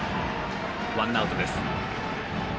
ワンアウトです。